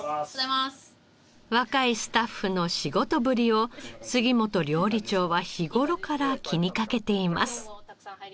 若いスタッフの仕事ぶりを杉本料理長は日頃から気にかけています。